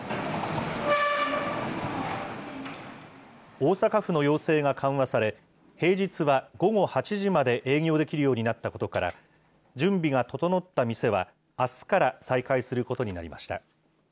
大阪府の要請が緩和され、平日は午後８時まで営業できるようになったことから、準備が整った店は、あすから再開することになりました。